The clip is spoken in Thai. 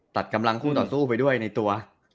ตัดกำลังคู่ต่อสู้ไปด้วยในตัว